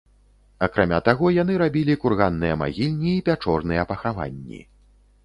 Акрамя таго яны рабілі курганныя магільні і пячорныя пахаванні.